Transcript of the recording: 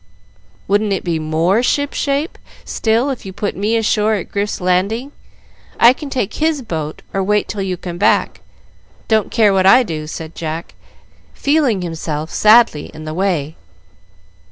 "Wouldn't it be more ship shape still if you put me ashore at Grif's landing? I can take his boat, or wait till you come back. Don't care what I do," said Jack, feeling himself sadly in the way.